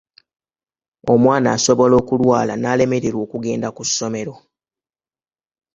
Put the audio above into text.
Omwana asobola okulwala n'alemererwa okugenda ku ssomero.